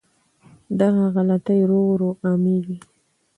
دغه غلطۍ ورو ورو عامېږي.